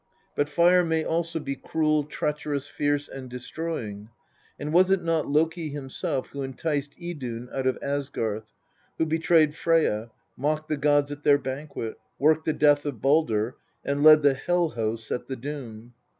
But fire may also be cruel, treacherous, fierce, and destroying ; and was it not Loki himself who enticed Idun out of Asgarth, who betrayed Freyja, mocked the gods at their banquet, worked the death of Baldr, and led the Hel hosts at the Doom